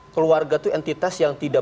keluarga itu entitas yang tidak